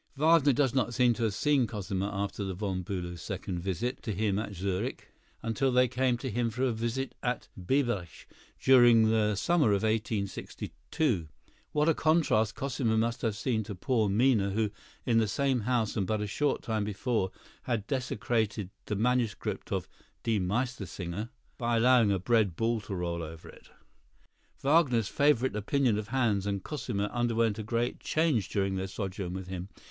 Wagner does not seem to have seen Cosima after the Von Bülows' second visit to him at Zurich until they came to him for a visit at Biebrich during the summer of 1862. What a contrast Cosima must have seemed to poor Minna who, in the same house and but a short time before, had desecrated the manuscript of "Die Meistersinger" by allowing a bread ball to roll over it! Wagner's favorable opinion of Hans and Cosima underwent a great change during their sojourn with him.